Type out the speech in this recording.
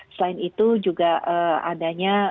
selain itu juga adanya